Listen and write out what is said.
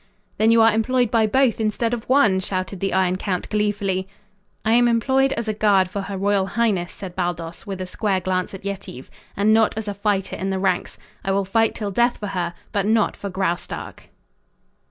"Then you are employed by both instead of one!" shouted the Iron Count gleefully. "I am employed as a guard for her royal highness," said Baldos, with a square glance at Yetive, "and not as a fighter in the ranks. I will fight till death for her, but not for Graustark."